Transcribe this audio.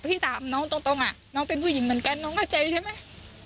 ที่ถามน้องตรงน้องเป็นผู้หญิงเหมือนกันน้องเข้าใจใช่ไหม